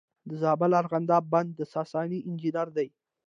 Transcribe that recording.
د زابل ارغنداب بند د ساساني انجینر دی